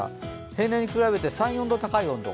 平年に比べて３４度高い温度。